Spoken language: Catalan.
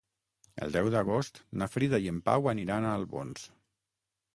El deu d'agost na Frida i en Pau iran a Albons.